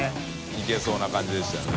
いけそうな感じでしたよね。